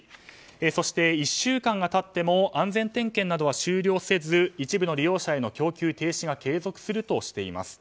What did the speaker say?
そして、１週間が経っても安全点検は終了せず一部の利用者への供給停止が継続するとしています。